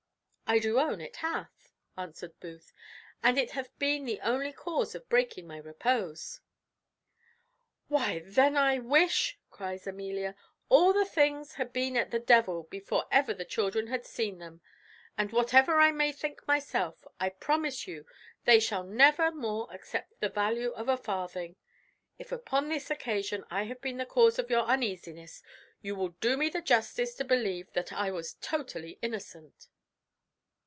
"I do own it hath," answered Booth, "and it hath been the only cause of breaking my repose." "Why then I wish," cries Amelia, "all the things had been at the devil before ever the children had seen them; and, whatever I may think myself, I promise you they shall never more accept the value of a farthing: if upon this occasion I have been the cause of your uneasiness, you will do me the justice to believe that I was totally innocent."